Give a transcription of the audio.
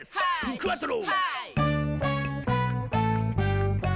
クアトロ！」